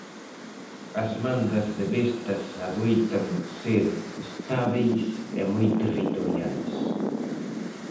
As mandas de bestas adoitan ser estábeis e moi territoriais.